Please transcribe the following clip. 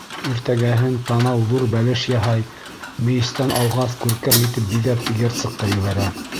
Иртәгәһен Танау ҙур бәлеш яһай, мейестән алғас, күркәм итеп биҙәп, герцогҡа ебәрә.